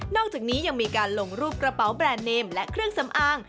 อกจากนี้ยังมีการลงรูปกระเป๋าแบรนด์เนมและเครื่องสำอาง